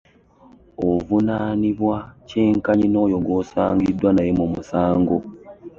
Ovunanibwa kyenkanyi n'oyo gw'osangiddwa naye mu musango.